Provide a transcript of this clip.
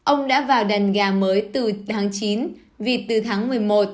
ông đã vào đàn gà mới từ tháng chín vịt từ tháng một mươi một